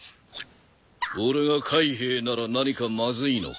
俺が海兵なら何かまずいのか？